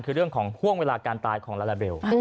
คือเรื่องของห่วงเวลาการตายของลาลาเบล